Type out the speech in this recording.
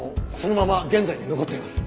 そのまま現在も残っています。